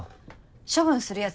処分するやつ